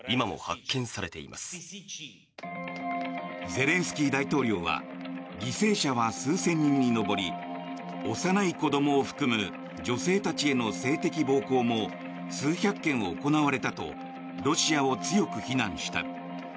ゼレンスキー大統領は犠牲者は数千人に上り幼い子どもを含む女性たちへの性的暴行も数百件行われたとロシアを強く非難した。